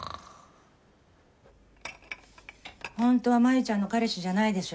本当は真夢ちゃんの彼氏じゃないでしょ。